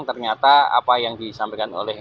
ternyata apa yang disampaikan oleh